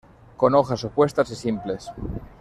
Con hojas opuestas y simples.